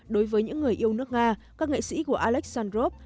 đối với những người yêu nước nga các nghệ sĩ của alexandrov